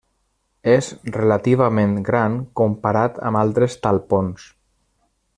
És relativament gran comparat amb altres talpons.